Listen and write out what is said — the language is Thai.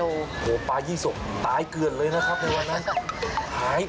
โอ้โหปลายี่สกตายเกือบเลยนะครับในวันนั้นหาย